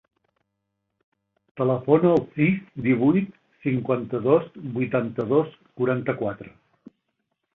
Telefona al sis, divuit, cinquanta-dos, vuitanta-dos, quaranta-quatre.